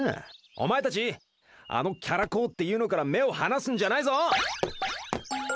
お前たちあのキャラ公っていうのから目を離すんじゃないぞ！